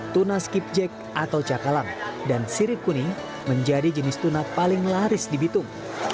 tuna skip jack atau cakalang dan sirip kuning menjadi jenis tuna paling laris di bitung